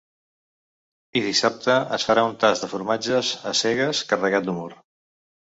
I dissabte es farà un tast de formatges a cegues carregat d’humor.